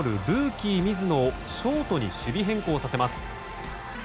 ルーキー水野をショートに守備変更させます。